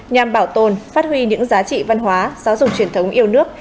nhằm bảo tồn phát huy những giá trị văn hóa giáo dục truyền thống yêu nước